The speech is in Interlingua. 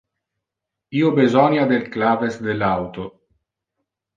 Io besonia del claves del auto.